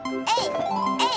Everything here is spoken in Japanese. えい！